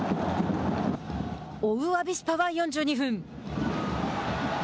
追うアビスパは４２分。